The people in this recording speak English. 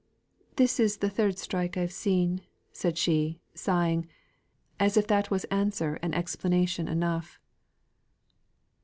"This is th' third strike I've seen," said she, sighing, as if that was answer and explanation enough.